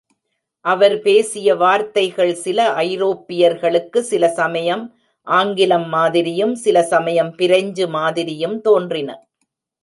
அவர் பேசிய வார்த்தைகள் சில ஐரோப்பியர்களுக்கு சில சமயம் ஆங்கிலம் மாதிரியும், சில சமயம் பிரெஞ்சு மாதிரியும் தோன்றின.